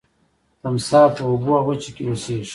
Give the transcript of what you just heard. تمساح په اوبو او وچه کې اوسیږي